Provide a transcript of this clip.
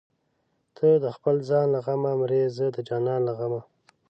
ته د خپل ځان له غمه مرې زه د جانان له غمه